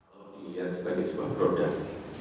kalau dilihat sebagai sebuah produk